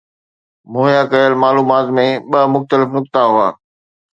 مهيا ڪيل معلومات ۾ ٻه مختلف نقطا هئا